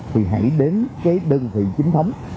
thì hãy đến cái đơn vị chính thống